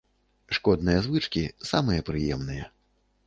Шкодныя звычкі самыя прыемныя.